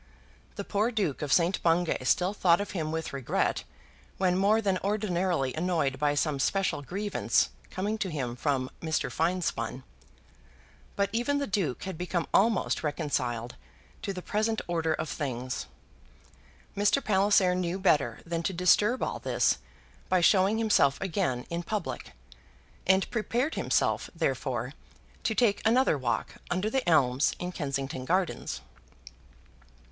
The poor Duke of St. Bungay still thought of him with regret when more than ordinarily annoyed by some special grievance coming to him from Mr. Finespun; but even the Duke had become almost reconciled to the present order of things. Mr. Palliser knew better than to disturb all this by showing himself again in public; and prepared himself, therefore, to take another walk under the elms in Kensington Gardens.